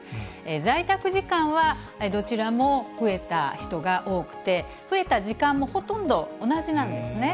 在宅時間はどちらも増えた人が多くて、増えた時間もほとんど同じなんですね。